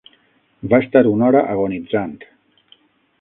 Va estar una hora agonitzant